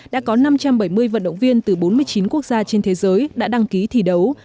đã có năm trăm bảy mươi vận động viên từ bốn mươi chín quốc gia trên thế giới đã đăng ký thi đấu